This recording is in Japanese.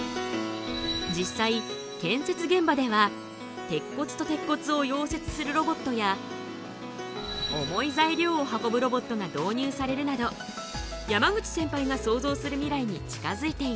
実際建設現場では鉄骨と鉄骨を溶接するロボットや重い材料を運ぶロボットが導入されるなど山口センパイが想像する未来に近づいている。